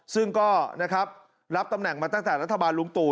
ซึ่งก็นะครับรับตำแหน่งมาตั้งแต่รัฐบาลลุงตู่